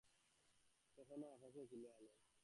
তখনো আকাশে আলো ছিল।